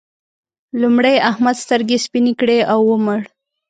لومړی احمد سترګې سپينې کړې او ومړ.